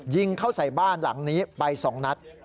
ยิงเข้าใส่บ้านหลังนี้ไป๒นัด